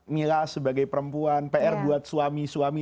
mila sebagai perempuan pr buat suami suami